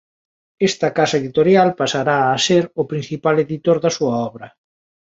Esta casa editorial pasará a ser o principal editor da súa obra.